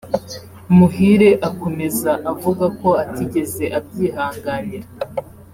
Muhire akomeza avuga ko atigeze abyihanganira